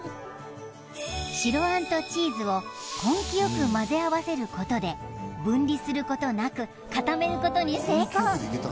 白あんとチーズを根気よく混ぜ合わせることで分離することなく固めることに成功